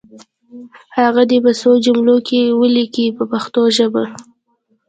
هغه دې په څو جملو کې ولیکي په پښتو ژبه.